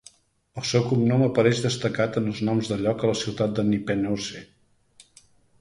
El seu cognom apareix destacat en els noms de lloc a la ciutat de Nippenose.